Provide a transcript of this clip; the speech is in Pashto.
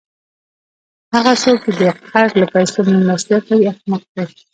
هغه څوک، چي د قرض له پېسو میلمستیا کوي؛ احمق دئ!